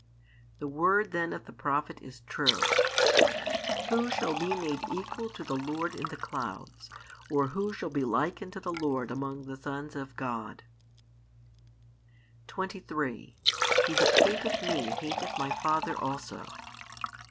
The word then of the prophet is true: Who shall be made equal to the Lord in the clouds, or who shall be likened to the Lord among the sons of God? 23 He that hateth Me hateth My Father also.